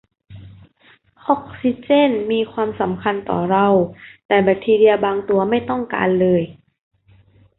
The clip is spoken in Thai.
ออกซิเจนมีความสำคัญต่อเรา แต่แบคทีเรียบางตัวไม่ต้องการเลย